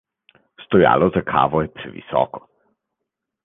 Stojalo za kavo je previsoko.